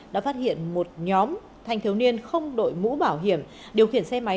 đã phát hiện một nhóm thanh thiếu niên không đội mũ bảo hiểm điều khiển xe máy